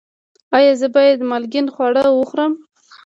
ایا زه باید مالګین خواړه وخورم؟